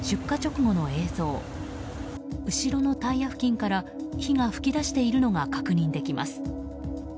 後ろのタイヤ付近から火が噴き出しているのが確認できます。